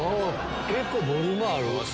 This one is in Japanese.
結構ボリュームある。